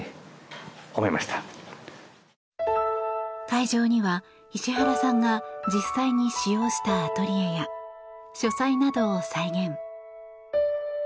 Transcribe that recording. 会場には、石原さんが実際に使用したアトリエや書斎などを再現。